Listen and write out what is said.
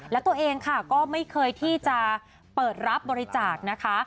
และตัวเองค่ะก็ไม่เคยที่จะเปิดรับบริจาคนะคะ